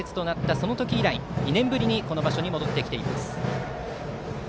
その時以来、２年ぶりにこの場所に戻っています。